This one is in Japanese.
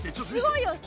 すごいよ。